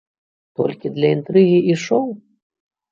Толькі для інтрыгі і шоў?